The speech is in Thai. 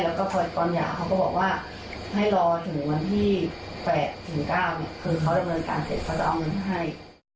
แล้วก็ตอนหย่าเขาก็บอกว่าให้รอถึงวันที่๘ถึง๙เนี่ยคือเขาดำเนินการเสร็จเขาจะเอาเงินให้